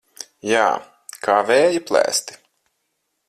Jā, kā vēja plēsti.